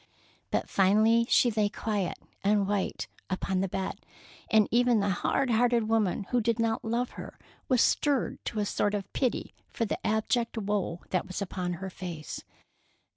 But finally she lay quiet and white upon the bed, and even the hard hearted woman who did not love her was stirred to a sort of pity for the abject woe that was upon her face.